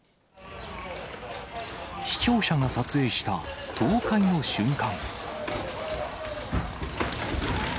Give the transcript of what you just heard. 視聴者が撮影した、倒壊の瞬間。